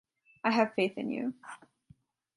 I have faith in you.